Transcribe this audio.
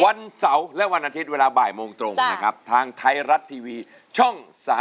วันเสาร์และวันอาทิตย์เวลาบ่ายโมงตรงนะครับทางไทยรัฐทีวีช่อง๓๒